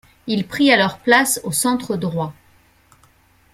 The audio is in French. Il prit alors place au centre droit.